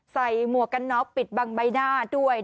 ใส่หมวกกันกปิดบางใบหน้า๓